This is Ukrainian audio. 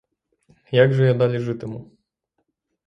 Як же я далі житиму?